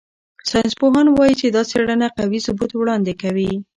ساینسپوهان وايي چې دا څېړنه قوي ثبوت وړاندې کوي.